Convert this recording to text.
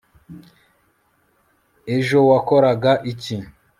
ejo wakoraga iki